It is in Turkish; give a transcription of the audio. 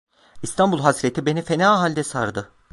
İstanbul hasreti beni fena halde sardı.